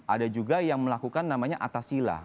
ada juga yang melakukan namanya atasila